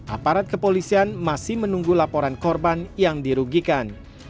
aparat kepolisian masih menunggu laporan korban yang dirugikan